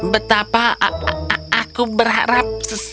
betapa aku berharap